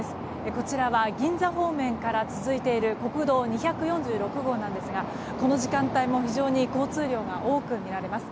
こちらは銀座方面から続いている国道２４６号なんですがこの時間帯も非常に交通量が多くみられます。